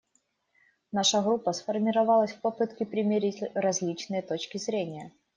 Наша группа сформировалась в попытке примирить различные точки зрения.